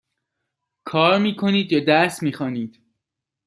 کار می کنید یا درس می خوانید؟